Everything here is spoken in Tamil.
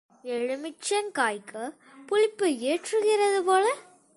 எலுமிச்சங் காய்க்குப் புளிப்பு ஏற்றுகிறது போல.